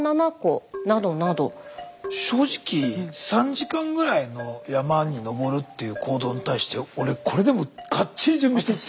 正直３時間ぐらいの山に登るっていう行動に対して俺これでもガッチリ準備して行ってるんだなっていう印象。